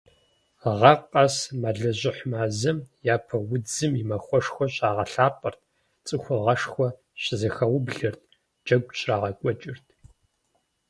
Гъэ къэс, мэлыжьыхь мазэм Япэ удзым и махуэшхуэр щагъэлъапӀэрт, цӀыхугъашхэ щызэхаублэрт, джэгу щрагъэкӀуэкӀырт.